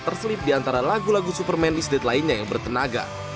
terselip di antara lagu lagu superman is dead lainnya yang bertenaga